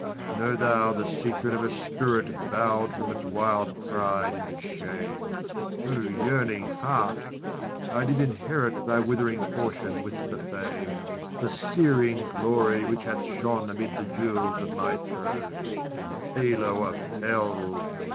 Know thou the secret of a spirit Bow'd from its wild pride into shame. O yearning heart! I did inherit Thy withering portion with the fame, The searing glory which hath shone Amid the jewels of my throne, Halo of Hell!